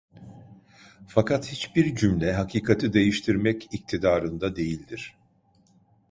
Fakat hiçbir cümle hakikati değiştirmek iktidarında değildir.